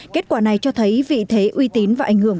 kết quả này cho thấy vị thế uy tín và ảnh hưởng